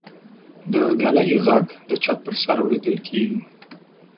د ږلۍ غږ د چت پر سر اورېدل کېږي.